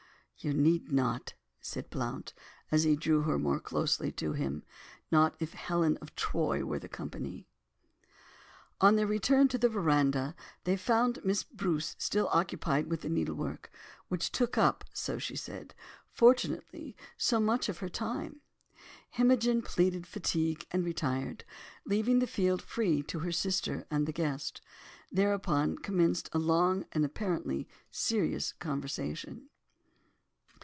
"You need not," said Blount, as he drew her more closely to him, "not if Helen of Troy were of the company." On their return to the verandah, where they found Mrs. Bruce still occupied with the needlework, which took up (so she said), fortunately, so much of her time, Imogen pleaded fatigue and retired, leaving the field free to her sister and the guest, who thereupon commenced a long, and apparently serious conversation.